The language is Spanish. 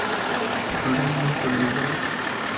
El programa no fue renovado.